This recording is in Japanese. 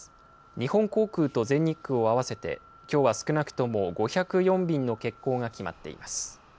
日本航空と全日空を合わせてきょうは少なくとも５０４便の欠航が決まっています。